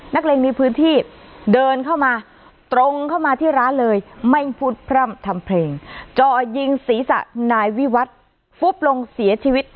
เล็งในพื้นที่เดินเข้ามาตรงเข้ามาที่ร้านเลยไม่พูดพร่ำทำเพลงจ่อยิงศีรษะนายวิวัตรฟุบลงเสียชีวิต